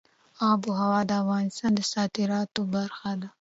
آب وهوا د افغانستان د صادراتو برخه ده.